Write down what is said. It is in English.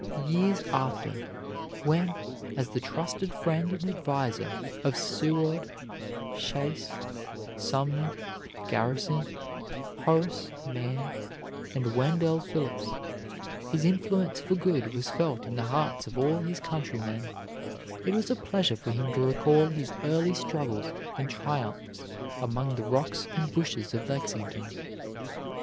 Years after, when, as the trusted friend and adviser of Seward, Chase, Sumner, Garrison, Horace Mann, and Wendell Phillips, his influence for good was felt in the hearts of all his countrymen, it was a pleasure for him to recall his early struggles and triumphs among the rocks and bushes of Lexington.